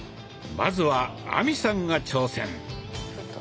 まずは亜美さんが挑戦。